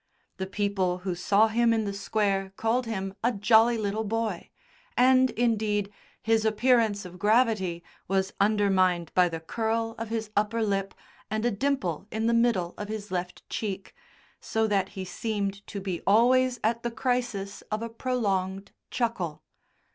The people who saw him in the Square called him "a jolly little boy," and, indeed, his appearance of gravity was undermined by the curl of his upper lip and a dimple in the middle of his left cheek, so that he seemed to be always at the crisis of a prolonged chuckle.